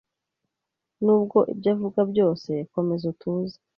Nubwo ibyo avuga byose, komeza utuze.